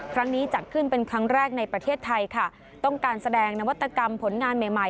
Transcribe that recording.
ครั้งนี้จัดขึ้นเป็นครั้งแรกในประเทศไทยค่ะต้องการแสดงนวัตกรรมผลงานใหม่ใหม่